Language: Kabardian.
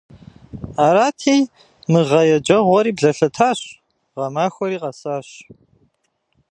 Арати, мы гъэ еджэгъуэри блэлъэтащ, гъэмахуэри къэсащ.